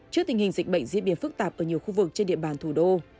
trước tình hình dịch bệnh diễn biến phức tạp ở nhiều khu vực trên địa bàn thủ đô